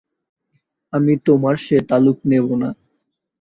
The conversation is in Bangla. আমি তোমার সে তালুক নেব না।